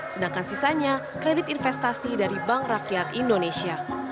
sedangkan sisanya kredit investasi dari bank rakyat indonesia